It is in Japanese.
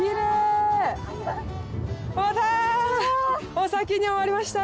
お先に終わりました！